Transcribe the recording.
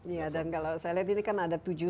iya dan kalau saya lihat ini kan ada tujuh